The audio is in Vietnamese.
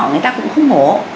người ta cũng không mổ